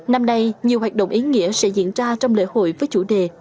năm nay nhiều hoạt động ý nghĩa sẽ diễn ra trong lễ hội với chủ đề